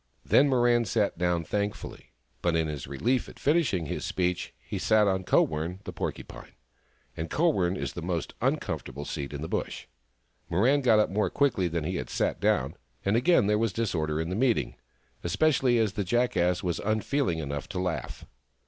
Then Mirran sat down thankfully, but in his relief at finishing his speech he sat on Kowern, the Por cupine ; and Kowern is the most uncomfortable seat in the Bush. Mirran got up more quickly than he had sat down, and again there was disorder in the meeting, especially as the Jackass was unfeeling enough to laugh.